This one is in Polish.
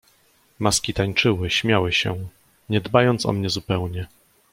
"Maski tańczyły, śmiały się, nie dbając o mnie zupełnie."